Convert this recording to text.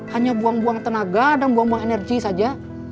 hanya buang buang tenaga dan buang buang energi saja